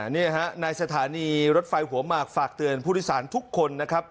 นี่นะครับนายสถานีรถไฟหัวมากฝากเตือนผู้ลิสารทุกคนนะครับ